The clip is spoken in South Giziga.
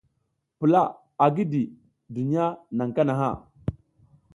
Pula a gidi, duniya naƞ kanaha.